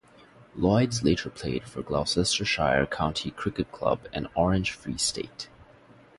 Lloyds later played for Gloucestershire County Cricket Club and Orange Free State.